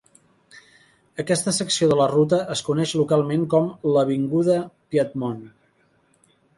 Aquesta secció de la ruta es coneix localment com l'"avinguda Piedmont".